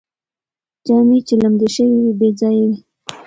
جامې چې لمدې شوې وې، بې ځایه وې